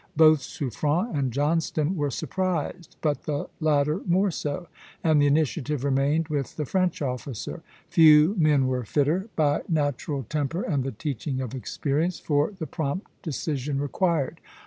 Both Suffren and Johnstone were surprised, but the latter more so; and the initiative remained with the French officer. Few men were fitter, by natural temper and the teaching of experience, for the prompt decision required.